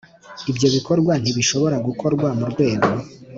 Ibyo bikorwa ntibishobora gukorwa mu rwego